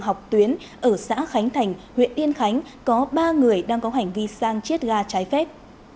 học tuyến ở xã khánh thành huyện yên khánh có ba người đang có hành vi sang chiết ga trái phép